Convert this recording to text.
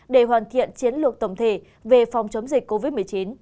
để hoàn thiện chiến lược tổng thể về phòng chống dịch covid một mươi chín